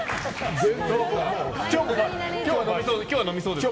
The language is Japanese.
今日は飲みそうですか？